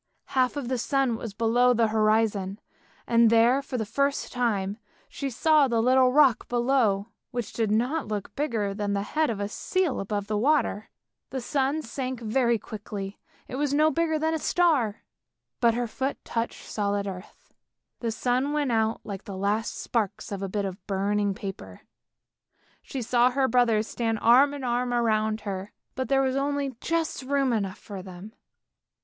Half of the sun was below the horizon, and there for the first time she saw the little rock below, which did not look bigger than the head of a seal above the water. The sun sank very quickly, it was no bigger than a star, but her foot touched solid earth. The sun went out like the last sparks of a bit of burning paper; she saw her brothers stand arm in arm around her, but there was only just room enough for them.